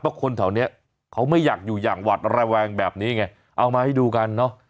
เพราะคนแถวนี้เขาไม่อยากอยู่อย่างหวัดระแวงแบบนี้ไงเอามาให้ดูกันเนอะ